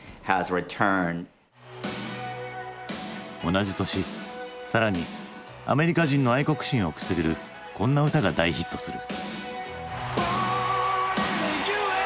同じ年更にアメリカ人の愛国心をくすぐるこんな歌が大ヒットする。